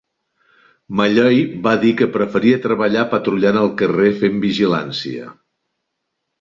Malloy va dir que preferia treballar patrullant al carrer fent vigilància.